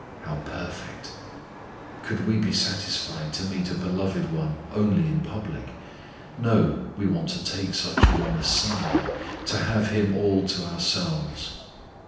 How perfect! Could we be satisfied to meet a beloved one only in public? No; we want to take such an one aside to have him all to ourselves.